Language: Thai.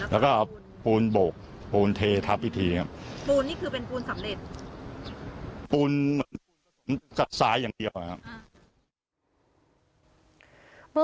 แล้วก็เอาปูนโบกปูนเททับพิธีครับปูนนี่คือเป็นปูนสำเร็จปูนจากซ้ายอย่างเดียวนะครับ